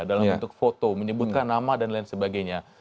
dalam bentuk foto menyebutkan nama dan lain sebagainya